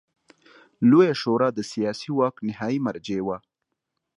لویه شورا د سیاسي واک نهايي مرجع وه.